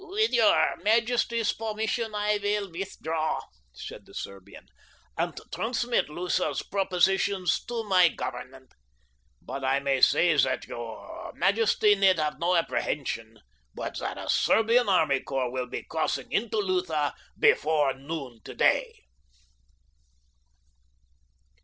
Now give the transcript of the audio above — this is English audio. "With your majesty's permission I will withdraw," said the Serbian, "and transmit Lutha's proposition to my government; but I may say that your majesty need have no apprehension but that a Serbian army corps will be crossing into Lutha before noon today."